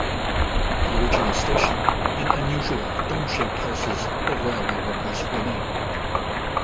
The original station and unusual dome-shaped houses of railway workers remain.